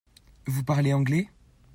Vous parlez anglais ?